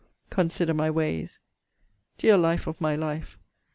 'Consider my ways.' Dear life of my life!